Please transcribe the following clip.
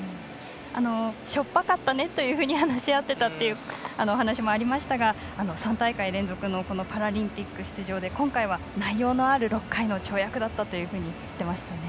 しょっぱかったねと話したという話もありましたが３大会連続のパラリンピック出場で今回は内容のある６回の跳躍だったと言っていましたね。